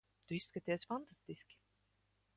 Tu izskaties fantastiski.